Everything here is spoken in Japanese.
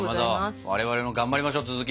かまど我々も頑張りましょう続き。